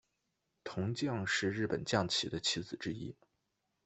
铜将是日本将棋的棋子之一。